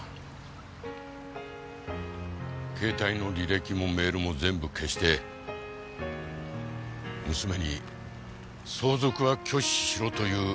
携帯の履歴もメールも全部消して娘に相続は拒否しろという遺書だけ残した。